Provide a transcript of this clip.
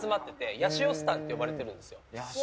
ヤシオスタンって呼ばれてるんですよ。